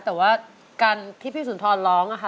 แต่ว่าการที่พี่สุนทรร้องนะคะ